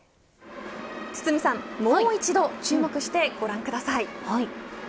堤さん、もう一度注目してご覧ください。